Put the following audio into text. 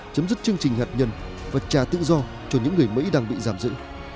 chấm dứt chương trình hạt nhân và trả tự do cho những người mỹ đang bị giảm dữ